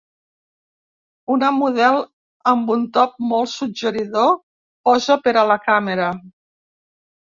Una model amb un top molt suggeridor posa per a la càmera